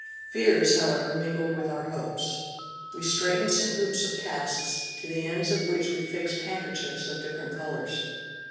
Fears, however, mingled with our hopes. We straightened some hoops of casks, to the ends of which we fixed handkerchiefs of different colors.